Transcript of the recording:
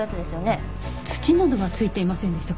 土などは付いていませんでしたか？